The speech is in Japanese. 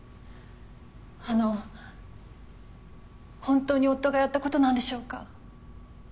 あの本当に夫がやったことなんでしょうか？